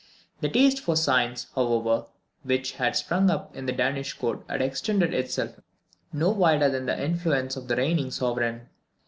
The taste for science, however, which had sprung up in the Danish Court had extended itself no wider than the influence of the reigning sovereign.